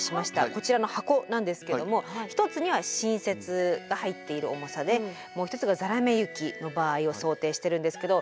こちらの箱なんですけども一つには新雪が入っている重さでもう一つがざらめ雪の場合を想定してるんですけど。